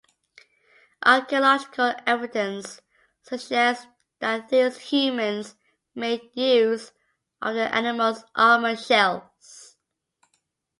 Archeological evidence suggests that these humans made use of the animal's armored shells.